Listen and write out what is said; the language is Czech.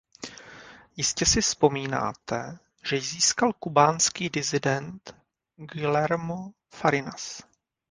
Jistě si vzpomínáte, že ji získal kubánský disident Guillermo Fariñas.